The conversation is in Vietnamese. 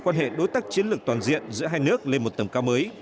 quan hệ đối tác chiến lược toàn diện giữa hai nước lên một tầm cao mới